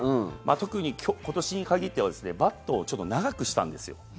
特に今年に限ってはですねバットをちょっと長くしたんですよ。